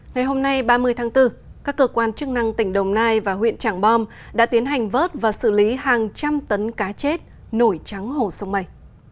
ngày hôm nay ba mươi tháng bốn các cơ quan chức năng tỉnh đồng nai và huyện trảng bom đã tiến hành vớt và xử lý hàng trăm tấn cá chết nổi trắng hồ sông mây